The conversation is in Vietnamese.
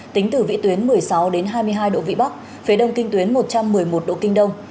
tính từ vị tuyến một mươi sáu hai mươi hai độ vị bắc phía đông kinh tuyến một trăm một mươi một độ kinh đông